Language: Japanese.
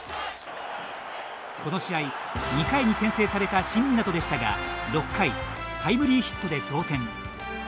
この試合２回に先制された新湊でしたが６回、タイムリーヒットで同点。